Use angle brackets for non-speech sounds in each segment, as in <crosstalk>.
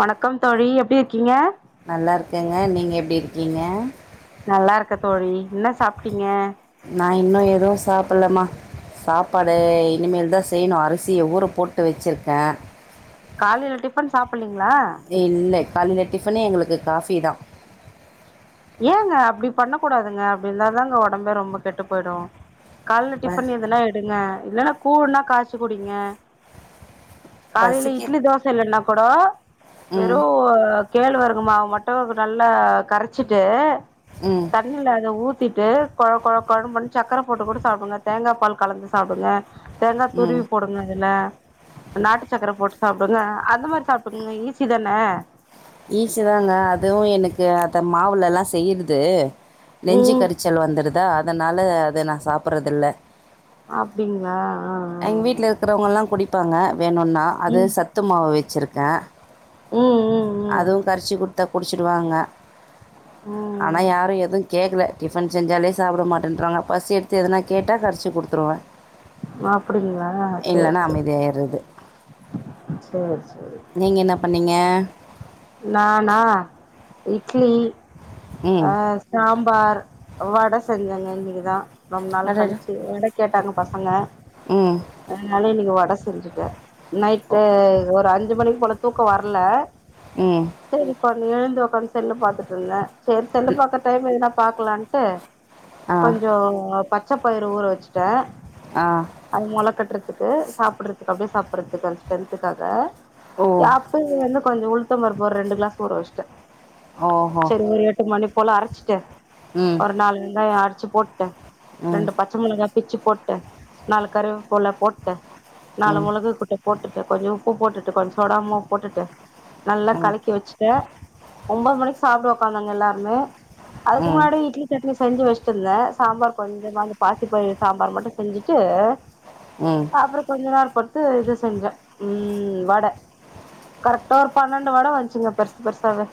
வணக்கம் தோழி எப்படி இருக்கீங்க நல்லா இருக்கங்க நீங்க எப்டி இருக்கீங்க நல்லா இருக்க தோழி என்ன சாப்ட்டீங்க நா இன்னு எதுவு சாப்புட்லமா சாப்பாடு இனிமேல்தா செய்ணு அரிசிய ஊர போட்டு வச்சிருக்கே காலைல டிஃபன் சாப்பிட்லீங்க இல்ல காலைல டிஃபனே எங்களுக்கு காஃபி தா ஏங்க அப்டி பண்ண கூடாதுங்க அப்டி இருந்தாதாங்க உடம்பே ரொம்ப கெட்டு போயிடு கால்ல ப டிஃபன் எதுனா எடுங்க இல்லன்னா கூழ்ன்னா காய்ச்சு குடிங்க காலைல பசிக்க இட்லி தோசை இல்லன்னா கூட வெறு ம் கேழ்வரகு மாவு மட்டு நல்ல கரைச்சிட்டு ம் தண்ணில அத ஊத்திட்டு கொழ கொழ கொழனு போனோன சக்கர போட்டு கூட சாப்பிடுங்க தேங்கா பால் கலந்து சாப்டுங்க தேங்கா ம் துருவி போடுங்க இதுல நாட்டு சக்கர போட்டு சாப்டுங்க அந்த மாரி சாப்பிட்டுக்கங்க ஈசிதானே ஈசிதாங்க அதுவு எனக்கு அத மாவுல எல்லா செய்யறது நெஞ்சு ம் கரிச்சல் வந்துருதா அத் அதனால அத நா சாப்பறதில்ல அப்டிங்ளா ஆஹ்ஹா ஹா ப்பாங்க வேணுனா அது சத்து மாவு வச்சுருக்க. ம் ம் ம் அதுவு கரச்சு குடுத்தா குடிச்சிடுவாங்க ஆனா ம் யாரு எதும் கேக்கல டிஃபன் செஞ்சாலே சாப்ட மாட்டேன்றாங்க, பசி எடுத்து எதனா கேட்டா கரச்சி குடுத்ருவ. அப்டிங்ளா செரி செரி அமைதியாயிடுறது செரி செரி என்ன நீங்க நானா இட்லி ம் அஹ் சாம்பார் வடஷ் செஞ்சங்க இன்னைகுதா ரொம்ப நாள் அடடா கழிச்சு வட கேட்டாங்க பசங்க ம் அதனால இன்னைக்கி வட செஞ்சுட்ட ஓ நைட்டு ஒரு அஞ்சு மணிக்கு போல தூ க்க வரல ம் சரிப நீ எழுந்துவ பஃங்ஷன்ல பாத்துட்ருந்த சரி செல்லு பாக் டைம் எதுனா பாக்லான்ட்டு ஆ கொஞ்சோ பத் பச்சப்பயிரு ஊற வச்சிட்ட ஆ அது மொள கட்றத் துகு சாப்பறதுக்கு அப்டியே சாப்பறதுக்கு அந்த ஸ்ட்ரென்த்துக்காக ஓ யாப்பு என்ன கொஞ்ச உளு த்தம் பருப்பு ஒரு ரெண்டு க்ளாஸ் ஊற வச்ட ஓஹோ செரி ஒரு எட்டு மணிப் போல அரச்சுட்டு ம் ஒரு நாலு வெங்காயோ அர ச்சு போட்டு ம் ரெண்டு பச்ச மிளகா பிச்சு போட்டு நாலு கரு போல போட்டு நாலு ம் மொளகு கொட்ட போட்டுட்டு கொஞ்ச உப்பு போட்டுட்டு கொஞ்ச சோடாமா போட்டுட்டு நல்லா ம் கலக்கி வச்சுட்டு ஒன்பது மணிக்கு சாப்பிடுவ பண்ணங்க எல்லாருமே அதுக்கு ம் முன்னாடி இட்லி சட்னி செஞ்சு வச்சிட் இருந்தேன் சாம்பார் கொஞ்ச மா பாசிபயறு சாம்பார் மட்டும் செஞ்சுட்டு ம் அப்புறம் கொஞ்ச நேரம் பொறுத்து இது செஞ்சேன் உம் <unintelligible> கரெக்டா பன்னெண்டு வடை வந்துச்சுங்க பெருசா பெருசாவே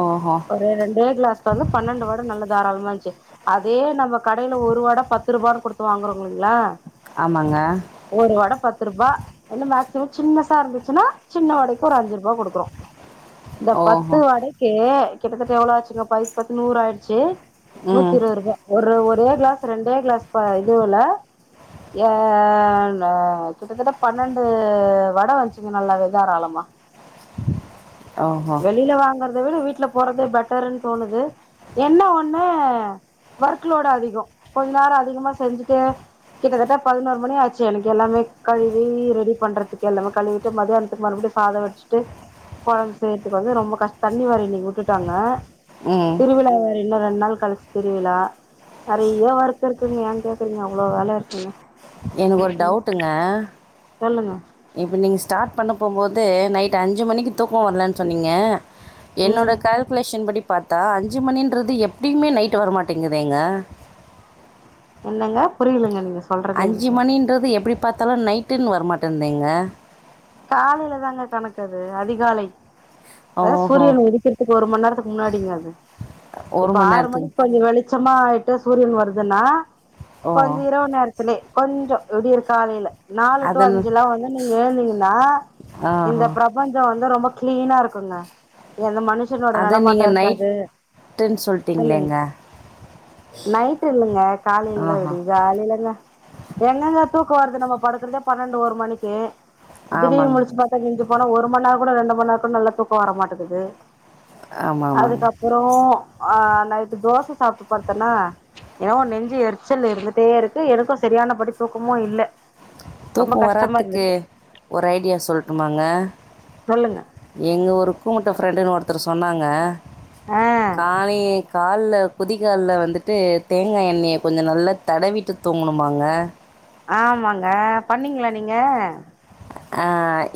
ஓஹோ ஒரு ரெண்டே கிளாஸ்ல வந்து பன்னெண்டு வடை நல்ல தாராளமா வந்துச்ச அதே நம்ம கடையில ஒரு வட பத்து ரூபான்னு கொடுத்து வாங்கறோம்ங்களா ஆமாங்க ஒரு வடை பத்து ரூபா் என்ன மேக்சிமம் சின்ன சா இருந்துச்சுன்னா சின்ன வடைக்கு ஒரு அஞ்சு ரா கொடுக்குறோம் இந்த பத்து ஓஹோ வடைக்கு கிட்டத்தட்ட எவ்வளோ ஆச்சுங்க ப முப்பத்து நூறு ஆயிடுச்சு நூத்தி ம் இருபது ரூபாய் ஒரு ஒரே கிளாஸ் ரெண்டே கிளாஸ் இதுல என் கிட்டத்தட்ட பன்னெண்டு வடை வந்ச்சுங்க நல்லாவே தாராளமா ஓஹோ வெளியில வாங்கறதை விட வீட்டு வீல போறதே பெட்டர்ன்னு தோணுது என்ன ஒண்ண ஒர்க்லோடு அதிகம் கொஞ்ச நேரம் அதிகமா செஞ்சுட்டு கிட்டத்தட்ட பதினோரு மணி ஆச்சு எனக்கு எல்லாமே கழுவி ரெடி பண்றதுக்கு எல்லாமே கழுவிட்டு மதியானத்துக்கு மறுபடியும் சாதம்வச்சு ட்டு குழம்பு செய்றதுக்கு வந்து ரொம்ப கஷ்ட தண்ணி வேற இன்னைக்கு விட்டுட்டாங்க ம் திருவிழாவேறன்ன ரெண்டு நாள் கழிச்சு திருவிழா நிறைய ஒர்க் இருக்குங்க ஏன் கேக்குறீங்க அவ்வளோ வேலை இருக்குங்க எனக்கு ஒரு ம் டவுட்டுங்க சொல்லுங்க இப்ப நீங்க ஸ்டார்ட் பண்ண போகும்போது நைட் அஞ்சு மணிக்கு தூக்கம் வரலன் சொன்னீங்க என்னோட ம் கால்குலேஷன் படி பாத்தா அஞ்சு மணின்றது எப்படியுமே நைட்டு் வரமாட்டேங்குதேங்க என்னங்க புரியலங்க நீங்க சொல்றது அஞ்சு எனக்கு மணின்றது எப்படி பாத்தாலாம் நைட்டுன்னு வரமாட்டேந்தேங்க காலையில தாங்க கணக்கது அதிகாலை அதான் ஓஹோ! சூரியனை உதிக்கிறதுக்கு ஒரு மணி நேரத்துக்கு முன்னாடிங்க அது இப்ப மணி ஆறு நேரத்துக்கு. மணிக்கு கொஞ்சம் வெளிச்ச பிச்சமா ஆயிட்ட சூரியன் வருதுன்னா ஓ! கொஞ்ச இரவு நேரத்துலே கொஞ்சோ விடியர் காலைல நாலு டூ அதன் அஞ்சுலா வந்து நீங்க ஏந்தீங் லா இந்த ஆஹா! பிரபஞ்சோ வந் து ரொம்ப க்ளீன்னா இருக்கோங்க எந்த மனுஷனோட அத நீங்க நடமாட்டோ இர்காது நைட்டுன்னு சொல்லுங்க சொல்ட்டீங்களேங்க. நைட்டு இல்லங்க காலைலதா ஆஹா! விடி காலைலங்க என்னங்க தூக்கோ வர்துனு நம்ம படுக்கறதே பன்னெண்டு ஒரு மணிக்கு திடீர் ஆமாங்க. முழிச்சு பாத்தா விஞ்சு போனா ஒரு மண் நேரக் கூட ரெண்டு மண் நேரக் கூட நல்லா தூக்கோ வரமாட்டுக்குது ஆமா, ஆமாங்க. அதுக்கப்பறோ ஆ நைட்டு தோச சாப்ட்டு படுத்தன்னா எனவோ நெஞ்சு எரிச்சல் இருந்துட்டே இருக்கு எனக்கோ சரியான படி தூக்கமோ இல்ல ரொம்ப தூக்கோ கஷ்டமா வராத்துக்கே இருந்துச்சு ஒரு ஐடியா சொல்ட்டுமாங்க சொல்லுங்க எங்க ஒரு கூமுட்ட ஃப்ரெண்ட் டு ஒருத்தர் சொன்னாங்க ஆ காலையிலே கால்ல குதிக்கால்ல வந்துட்டு தேங்காய் எண்ணெய்ய கொஞ்சோ நல்லா தடவிட்டு தூங்குணுமாங்க ஆமாங்க பண்ணீங்ளா நீங்க ஆ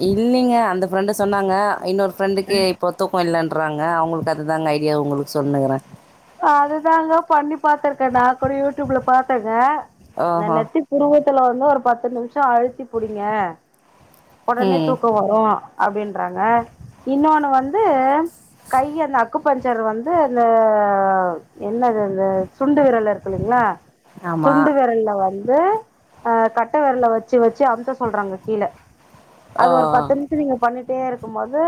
இல்லீங்க அந்த ஃப்ரெண்ட்டு சொன்னாங்க இன்னொ ஃப்ரெண்ட்டுகே இப்போதோ ப்ப இல்லன்றாங்க அவுங்குளுக்கு அதுத்தாங்க ஐடியா உங்குளுக்கு சொன்னுனுகிறே அதுதாங்க பண்ணி பாத்திருக்கே நா கூட யூடியூப்ல பாத்தங்க இந்த ஓஹோ நெத்தி புருவத் த்துல வந்து ஒரு பத்து நிமிஷம் அழுத்தி புடிங்க ஒடனே ம் தூக்கோ வரோ அப்டின்றாங்க இன்னோனு வந்து கைய இந்த அக்கு பஞ்சர் வந்து அந்த ஆவ் என்னதந்த சுண்டு விரல் த இர்க்லிங்ளா ஆமாம் சுண்டு விரல்ல வந் வே ஆ கட்ட விரல வச்சு வ ச்சு அம்த சொல்றாங்க கீழ ஓ அது ஒரு பத்து நிம்ஷம் நீங்க பண்ணி தே இருக்கும் போது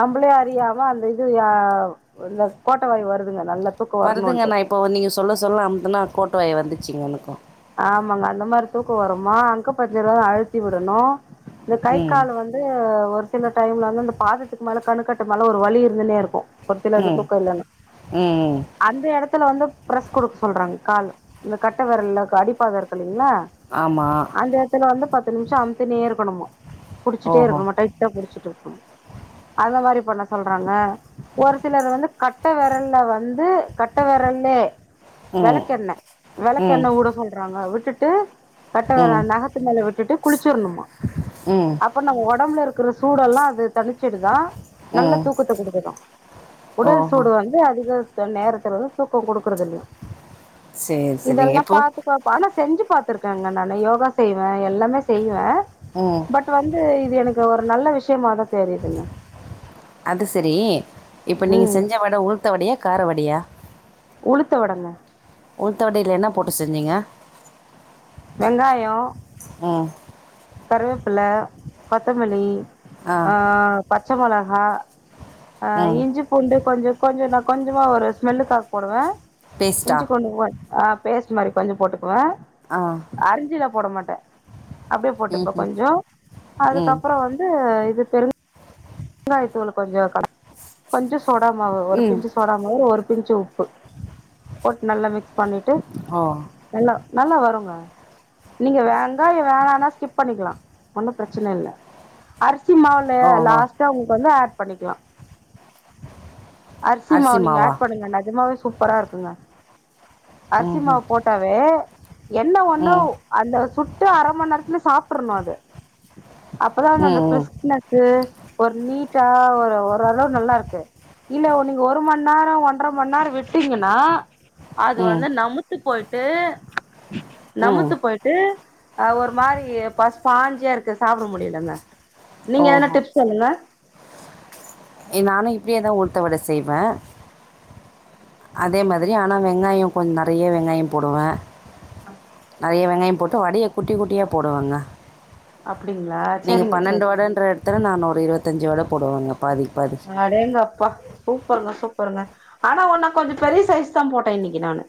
நம்பளே அறியாம அந்த இது யாவ் இந்த கோட்ட வாய்வு வருதுங்க நல்ல வருதுங்க நா இப்போ நீங்க சொல்ல சொல்ல அம்துனா கோட்டுவாய் வந்துச்சீங்க எனக்கோ ஆமாங்க அந்த மாரி தூக்கோ வருமா அக்கு பஞ்சர் வேற அழுத்தி விடணோ இந்த கை ம் கால் வந்து ஒரு சில டைம்ல வந்து அந்த பாதத்துக்கு மேல கணுக்கட்டு மேல ஒரு வலி இருந்தனே இருக்கோ ஒரு சிலர்க்கு ம் தூக்க இல்லன்னா ம் அந்த எடத்துல வந்து ப்ரஸ் குடுக்க சொல்றாங்க கால் இந்த கட்ட விரல்ல ங அடிபாதோ இருக்கில் இன்னா ஆமாம் அந்த எட்த்துல வந்து பத் பத்து நிமிஷோ அமுத்தினே இருக்கணமோ புடிச்சுட்டே ஓஹோ இருக்கணூ டைட்டா புடிச்சுட்டு இருக்கணூ அந்த மாரிப் பண்ண சொல்றாங்க ஒரு சிலர் வந்து கட்ட ல வந்து கட்டவிரல்லே ம் வெளக்கெண்ண ம் வெளக்கெண்ண உட சொல்றாங்க விட்டுட் டு கட்டவிர ம் நகத்து மேல விட்டுட்டு குளிச்சிர்ணுமா ம் அப்ப நம்ம ஒடம்புல இருக் க்கிற சூடெல்லா வெ தணிச்சிடுதா நல்ல ம் தூக்கத்த குடுக்குதாமன உடல் ஓஹோ சூடு வந்து அதிக் வேர்த்த நேரத்துல தா தூக்கோ கூட குடுக்றதில்லியா சரி சரிங்க இதெல்லா எப்போது பாத்துக்குவே பா ஆனா ஸ் செஞ்சு பார்த்தருக்கேங்க நானு யோகா செய்வே எல்லாமே செய்வே ம் பட் வந்து இது எனக் து ஒரு நல்ல விஷ்யமாதா அது செரி இப்ப நீங்க ம் செஞ்சஸவட உளுத்தவடையா காரவடியா உளுத்த வடங்க உளுத்தவடயில என்ன போட்டு செஞ்சீங்க வெங்காயோ ம் கருவேப் பில கொத்தமல்லி ஆ ப ச்ச மொளகா ஆ ம் இஞ்சி பூண்டு கொஞ்ச கொஞ்சோ நா கொஞ்சமா ஒரு ஸ்மெல்லுக்காக போடுவே பேஸ்டா இஞ்சி பூண்டு ஒன் ஆ பேஸ்ட் மாரி கொஞ்சோ போட்டுக் வா ஆ அரிஞ்சிலாப் போட மாட்டே அப்டியே ம் போட்டுப்பே ம், கொஞ்சே ம் அதுக்கப்றோ வந்து இது பெருங் ங்காயத்தூளு கொஞ்சோ கல கொஞ்சோ ஸ் சோடா மாவு ஒரு ம் பிஞ்சு சோடாமாவு ஒரு பிஞ்சோ ப்பு போட்டு நல்லா மிக்ஸ் பண்ணிட்டு ஓ நல்லா நல்லா வருங்க நீங்க வேங்காயம் வேணனா ஸ்கிப் பண்ணிக்கலா ஒன்னு பிரச்சனை இல்ல அரிசி மாவுல ஓஹோ லாஸ் இது வந்து ஆட் பண்ணிக்க க்கலா அரிசி அரிசிமாவ நீங்க மாவா ஆட் பண்ணுங்க நெஜமாவே சூப்பரா இருக்குங்க ம் அரிசி ம் மாவு போட்டாவே என்ன ஒண்ணு ம் அந்த சுட்டு அரைமணி நேரத்துல சாப்பிடரணம் அது அப்பதா ம் வந்து அந்த ம் கிறிஸ்னஸ் ஒரு நீட்டா வரு ஓரளவு நல்லா இருக்கு இல்ல உ நீங்க ஒரு மணி நேரோ ஒன்றரை மணி நேரோ விட்டீங்கன்னா அது ம் வந்து நமுத்து போயிட்டு ம் நமுத்து போயிட்டு அஹ் ஒரு மாதிரி பச பாஞ்சியா இருக்கறது சாப்பிட முடியலங்க நீங்க எதனா ஓஹோ டிப்ஸ் என நானு இப்டியே தா உளுத்த வடை செய்வே அதே மாதிரி ஆனா வெங்காயோ கொஞ் நெறைய வெங்காய போடுவே நெறைய வெங்காயம் போட்டு வடைய குட்டி குட்டியா போடுவாங்க அப் நீங்க பன்னெண்டு வடன்ற இடத்துல நானு ஒரு இருபத்தஞ்சு வட போடுவாங்க அடேங்கப்பா சூப்பர்ங்க சூப் சூப்பர்ங்க ஆனா உன்னா கொஞ்சோ பெரிய சைஸ் தா போட்டே இன்னைக்கி நானு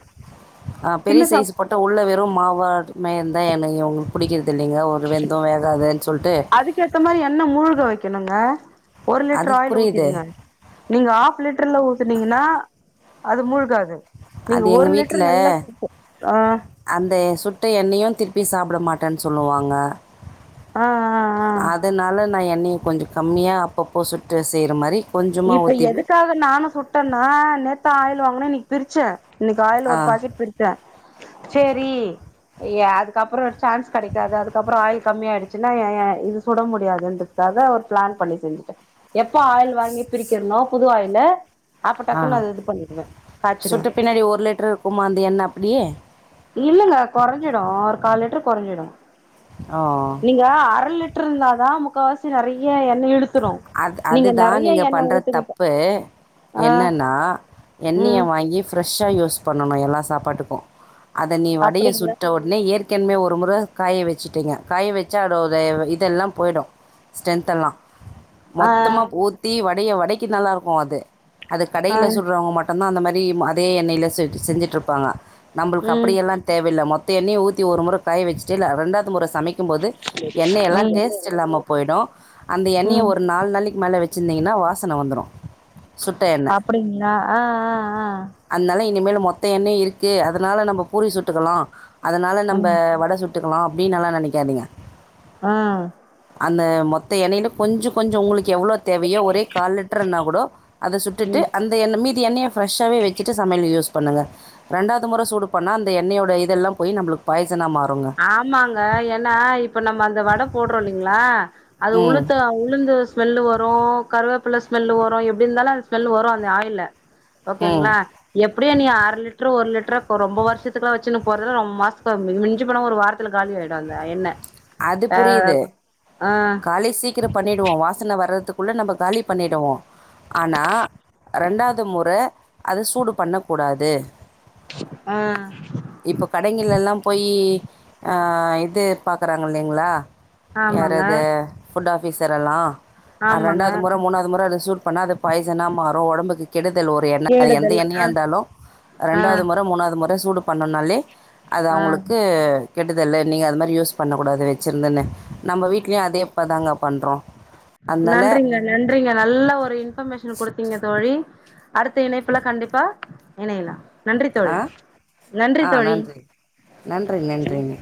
ஆ பெரிய சின்ன சா சைஸு போட்ட உள்ள வெறு மாவாட மேந் தா எண்ணைய உங்களுக்கு புடிக்குது இல்லைங்க ஒரு வெந்து வேகாதுன்னு சொல்லிட்டு என்னங்க ஒரு அது லிட்டர் ஆயில் புரியுது ஊத்திடுங்க நீங்க ஹாஃப் லிட்டர்ல ஊத்தனீங்கன்னா அது மூழ்காது நீங்க அது எங்க ஒரு வீட்டல லிட்டர் நல்லா ஆ அந்த சுட்டை எண்ணெயையு திருப்பி சாப் ப்பிட மாட்டேன்னு சொல்லுவாங்க ஆ ஆ ஆ அதனால நா எண்ணைய கொஞ்சம் கம்மியா அப்பப்போ சுட்டு செய்ற மாரி இப்ப எதுக்காக நானும் சுட்டேன்னா நேத் புதுசா ஆயில் வாங்ன்ன இன்னைக்கு பிரிச்ச இன்னைக்கு ஆயில் ஆ ஒரு பாக்கெட் பிரிச்ச சேரி அதுக்கப்புறம் சான்ஸ் கெடைக்காது அதுக்கப்புறம் ஆயில் கம்மி ஆயிடுச்சுன்னா இது சுட முடியாதுன்றதுக்காக ஒரு பிளான் பண்ணி செஞ்சுட்டேன் எப்ப ஆயில் வாங்கி பிரிக்கிறன்நோ புது ஆயில் ஆ காய்ச்சிடுவே சுட்டு பின்னாடி ஒரு லிட்டரு இருக்குமா அந்தி எண்ண அப்டி இல்லங்க குறஞ்சிடு ஒரு கால் லிட்டரு குறஞ்சிடு ஓ நீங்க அர லிட்டர் இருந்தாதா முக் முக்காவாசி நெறையே எண்ண இழுத்துறோ நீங்க நறைய எண் பண்ற தப்பு என்னன்னா எண்ணெய்ய ம் வாங்கி ப்ரெஷ் சுஷா யூஸ் பண்ணணோ எல்லா சாப்பாட்டுக்கும் அத நீ வடைய அப்டிங்களா சுட்ட உடனே ஏற்க் கேன்மே ஒரு முற காய வச்சுட்டேங்க காய வச்சா அதோட வ் வ இத எல்லாம் போயிடோ ஸ்டென்த்து எல்லா ஆ மொத்தமா போத்தி வடைய வடை கி நல்லா இருக்கோ அது அது ஆ கடையில்ல சொல்றவங்க மட்டும்தா அந்த மாறி அதே ம் அதே எண்ணெய்ல செட்டு செஞ்சிட்டு இருப்பாங்க நம்ளுக் அப்டி ம் எல்லா தேவயில்ல மொத் தே எண்ணெய ஊத்தி ஒரு முற கைய் வச்டேயில்ல ரெண்டாவது முற சமைக் வைக்கிம் போது எண்ணெய எல்லா ம் டேஸ்டு இல்லாம போயிடோ இந்த எண்ணெய ம் ஒரு நாள் நாளைக்கு மேலே வச்சு ன்னா வாசன வந்துரு அப்டிங்களா ஆ ஆ ஆ அதனால இனிமேல் மொத்த எண்ணெய் இருக்கே அதனால நம்ம பூரி சுட்டுக்கலா அதனால ம் நம்ப ம் வட சுட் விட்டுக்கலா அப்டின்னு நல்லா நினைக்காதிங்க ஆ மத்த எண்ணெயில கொஞ்சு கொஞ்சோ உங்களுக்கு எவ்ளோ தேவயோ ஒரே கால் லிட்டறன்னா கூட அத சுட்டுட்டு ம் அந்த எண்ண மீதி எண்ணெய ஃப்ரெஷ்சாவே வச்சிட்டு சமையல் யூஸ் பண் பண்ணுங்க ரெண்டாவது முற சூடு பண்ணா அந்த எண்ணெயோட இதெல்லா போயி நம்மளுக்கு பாய் ஆமாங்க ஏன்னா இப்ப நம்ம அந்த வட போட்ரோ இல்லைங்களா அது ம் உளுத்த உளுந்து அ ஸ்மெல்லு வரூ கருவேப்பில்ல ஸ்மெல்லு வரூ எப்டிருந்தாலு அந்த ஸ்மெல் வரு அந்த ஆயில்ல ம் ஓகேங்ளா எப்டியு நீ அர லிட்ரு ஒரு லிட்ரோ கோ ரொம்ப வருசத்துக்குளா வச்சுனு போறதடவ ரொம் மாஸ் <unintelligible> மிஞ்மிஞ்சி சி போனா ஒரு வாரத்துல காலி ஆயிடு அந்த எண்ணெ அது புரியிது ஆ கிற பண்ணிட் வோ வாசன வர்றதுக்குள்ள நம்ப காலி பண்ணிடுவோ ஆனா ரெண்டாது முற அத சூடு பண்ண கூடாத் தே ஆ இப்ப கடைங்கள்ல எல்லாம் போயி அ இது பாக்கறாங்க இல்லைங்ளா ஆமாங்க து ஃபுட் ஆஃப் பீசரல்லா அ ஆமாங்க ரெண்டாது முற மூணாவது முற அத சூட் பண்ணா அது பாய்சனா மாறு ஒடம்புக்கு கெடுதல் ஒரு எண்ண அது எந்த கேடுதல் ஆ எண்ணெயாருந்தாலு ஆ ரண்டாது மொற மூணாவது மொற ட்டா சூடு பண்ணன்னாலே அது ஆ அவுங்குளுக்கு கெடு இதல்ல நீங்க அது மாரி யூஸ் பண்ணகூடாது வெச்சிருந்தன்னு ம் ட்லியு அதே அப்பளந்தாங்க பண்றோ நன்றிங்க நன்றிங்க நல்ல ஒரு இன்ஃபர்மேஷன் குடுத்தீங்க தோழி அடுத்த இணைப்புல கண்டிப்பா இணையலா நன்றி தோழி ஆ நன்றி தோழி நன்றி நன்றிங்க